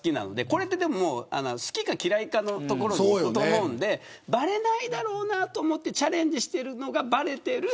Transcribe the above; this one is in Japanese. これは好きか嫌いかのところでばれないだろうなと思ってチャレンジしているのがばれてる。